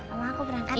omah aku berangkat ya